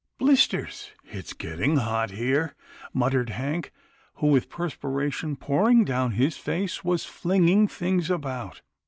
" Blisters ! it's getting hot here," muttered Hank, who with perspiration pouring down his face, was flinging things about.